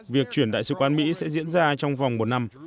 việc chuyển đại sứ quán mỹ sẽ diễn ra trong vòng một năm